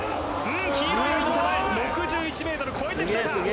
黄色いライン手前６１メートル越えてきた。